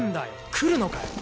来るのかよ！